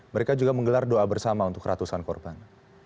mereka juga menggelar doa bersama untuk ratusan korban